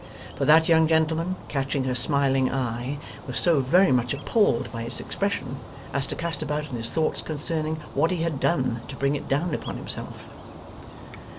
For that young gentleman, catching her smiling eye, was so very much appalled by its expression as to cast about in his thoughts concerning what he had done to bring it down upon himself.